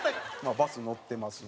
バス乗ってますわ。